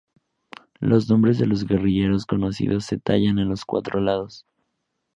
Los nombres de los guerrilleros conocidos se tallan en los cuatro lados.